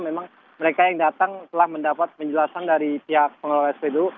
memang mereka yang datang telah mendapat penjelasan dari pihak pengelola spbu